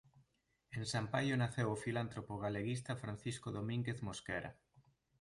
En San Paio naceu o filántropo galeguista Francisco Domínguez Mosquera.